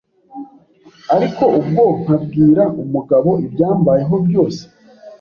ariko ubwo nkabwira umugabo ibyambayeho byose